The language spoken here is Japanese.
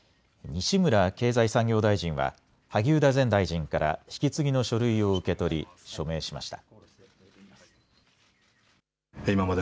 西村経済産業大臣は萩生田前大臣から引き継ぎの書類を受け取り、署名しました。